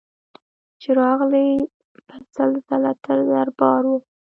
چي راغلې به سل ځله تر دربار وه